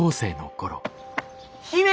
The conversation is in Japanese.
姫！